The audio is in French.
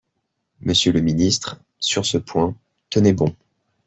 Monsieur le ministre, sur ce point, tenez bon